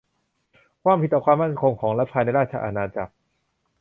ความผิดต่อความมั่นคงของรัฐภายในราชอาณาจักร